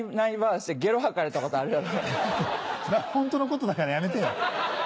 それはホントのことだからやめてよ。